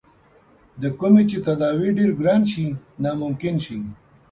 د کومې چې تداوے ډېر ګران څۀ چې ناممکن شي